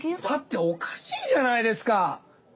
だっておかしいじゃないですか。